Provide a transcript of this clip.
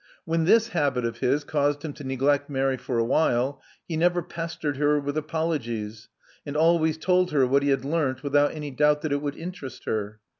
When this habit of his caused him to neglect Mary for a while, he never pestered her with apologies, and always told her what he had learnt without any doubt that it would interest her.